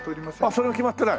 それは決まってない？